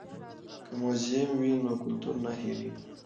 که موزیم وي نو کلتور نه هیریږي.